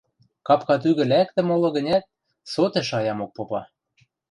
Капка тӱгӹ лӓктӹ моло гӹнят, со тӹ шаямок попа.